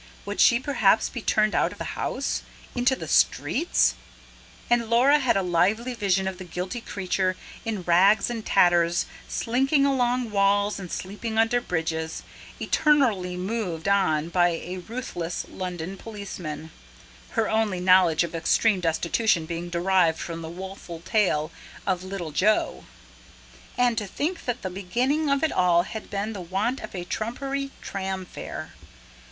Would she perhaps be turned out of the house? ... into the streets? and Laura had a lively vision of the guilty creature, in rags and tatters, slinking along walls and sleeping under bridges, eternally moved on by a ruthless London policeman (her only knowledge of extreme destitution being derived from the woeful tale of "Little Jo"). And to think that the beginning of it all had been the want of a trumpery tram fare.